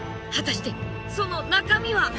果たしてその中身は？